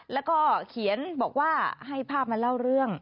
แล้วก็เขียนบอกว่าให้ภาพมาเล่าเรื่อง